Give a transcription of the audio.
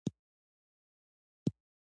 مالګه زیاته په خوړو کي مه کاروئ.